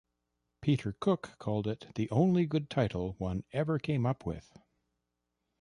Peter Cook called it the only good title one ever came up with.